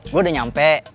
gue udah nyampe